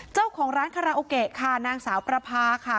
เจ้าของร้านคาราโอเกะค่ะนางสาวประพาค่ะ